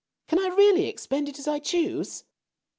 Can I really expend it as I choose?"